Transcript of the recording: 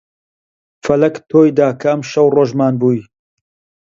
فەلەک تۆی دا کە ئەمشەو ڕۆژمان بووی